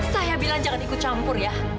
saya bilang jangan ikut campur ya